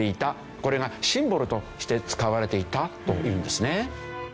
これがシンボルとして使われていたというんですね。